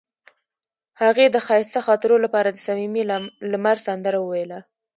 هغې د ښایسته خاطرو لپاره د صمیمي لمر سندره ویله.